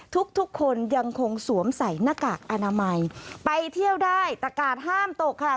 ทุกคนยังคงสวมใส่หน้ากากอนามัยไปเที่ยวได้ตะกาศห้ามตกค่ะ